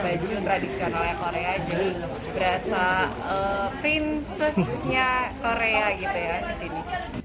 baju tradisionalnya korea jadi berasa prinsesnya korea gitu ya disini